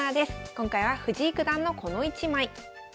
今回は藤井九段のこの一枚。